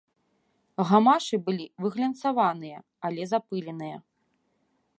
Гамашы былі выглянцаваныя, але запыленыя.